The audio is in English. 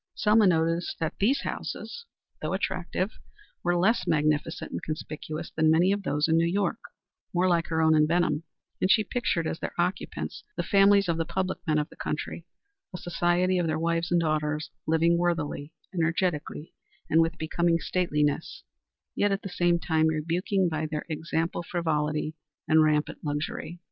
Selma noticed that these houses, though attractive, were less magnificent and conspicuous than many of those in New York more like her own in Benham; and she pictured as their occupants the families of the public men of the country a society of their wives and daughters living worthily, energetically, and with becoming stateliness, yet at the same time rebuking by their example frivolity and rampant luxury.